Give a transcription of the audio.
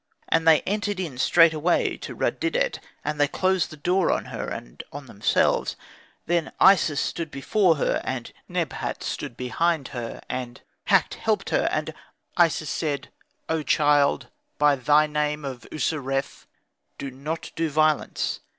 And they entered in straightway to Rud didet, and they closed the door on her and on themselves. Then Isis stood before her, and Nebhat stood behind her, and Hakt helped her. And Isis said, "O child, by thy name of User ref, do not do violence."